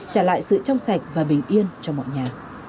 trả lại sự trong sạch và bình yên cho mọi nhà